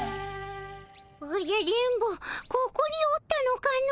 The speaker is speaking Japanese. おじゃ電ボここにおったのかの。